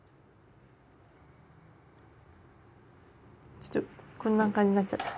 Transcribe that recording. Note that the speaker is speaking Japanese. ちょっとこんな感じなっちゃった。